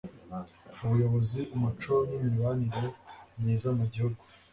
ubuyobozi umuco n imibanire myiza mu gihugu